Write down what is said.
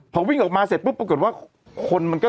พอวิ่งออกมาเสร็จปุ๊บปรากฏว่าคนมันก็